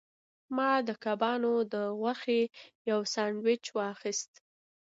ما د کبانو د غوښې یو سانډویچ واخیست.